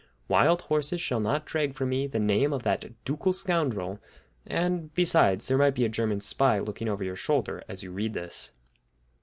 Wild horses shall not drag from me the name of that ducal scoundrel, and, besides, there might be a German spy looking over your shoulder as you read this.